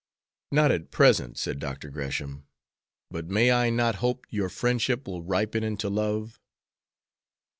"Not at present," said Dr. Gresham; "but may I not hope your friendship will ripen into love?"